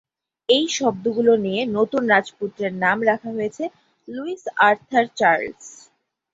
এই শব্দগুলো নিয়ে নতুন রাজপুত্রের নাম রাখা হয়েছে লুইস আর্থার চার্লস।